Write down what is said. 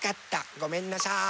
ごめんなさい。